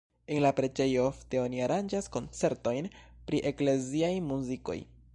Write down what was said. En la preĝejo ofte oni aranĝas koncertojn pri ekleziaj muzikoj.